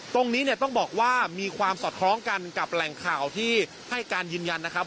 ตรงนี้เนี่ยต้องบอกว่ามีความสอดคล้องกันกับแหล่งข่าวที่ให้การยืนยันนะครับ